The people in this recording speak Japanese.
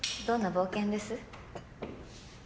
どんな冒険です？